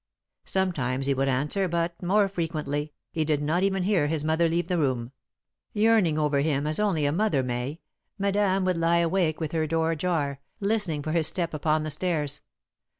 Sometimes he would answer, but, more frequently, he did not even hear his mother leave the room. Yearning over him as only a mother may, Madame would lie awake with her door ajar, listening for his step upon the stairs.